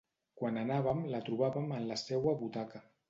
Quan anàvem la trobàvem en la seua butaca.